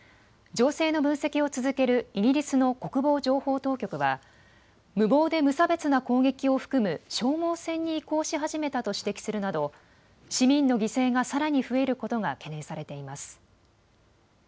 情勢の分析を続けるイギリスの国防情報当局は無謀で無差別な攻撃を含む消耗戦に移行し始めたと指摘するなど市民の犠牲がさらに増えることが懸念されています。